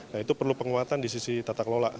nah itu perlu penguatan di sisi tata kelola